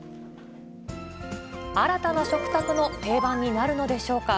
新たな食卓の定番になるのでしょうか。